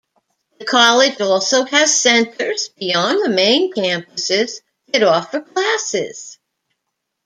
The college also has centers, beyond the main campuses, that offer classes.